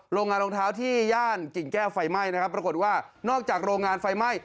โรงงานรองเท้าที่ย่านกิ่งแก้วไฟไหม้นะครับปรากฏว่านอกจากโรงงานไฟไหม้